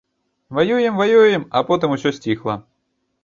Ваюем-ваюем, а потым усё сціхла.